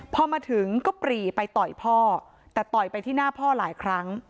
พอมาถึงก็ปรีไปต่อยพ่อแต่ต่อยไปที่หน้าพ่อหลายครั้ง